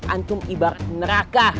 antum ibarat neraka